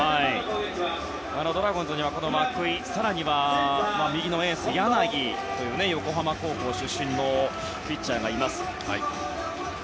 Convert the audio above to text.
ドラゴンズには涌井更には右のエース、柳という横浜高校出身のピッチャーがいます。